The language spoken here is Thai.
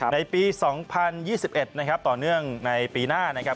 ในปี๒๐๒๑นะครับต่อเนื่องในปีหน้านะครับ